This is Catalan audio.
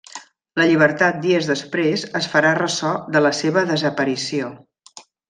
La llibertat dies després es farà ressò de la seva desaparició.